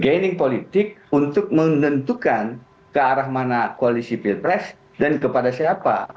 gaining politik untuk menentukan ke arah mana koalisi pilpres dan kepada siapa